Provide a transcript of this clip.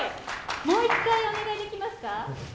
もう１回お願いできますか？